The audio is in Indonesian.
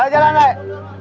hei jalan deh